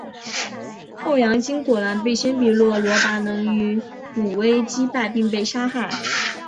后杨欣果然被鲜卑若罗拔能于武威击败并被杀害。